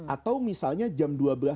atau misalnya jam dua belas tiga puluh